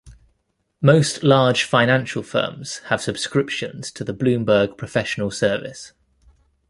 Most large financial firms have subscriptions to the Bloomberg Professional service.